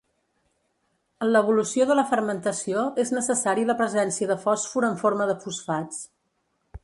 En l'evolució de la fermentació és necessari la presència de fòsfor en forma de fosfats.